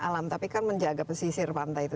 alam tapi kan menjaga pesisir pantai itu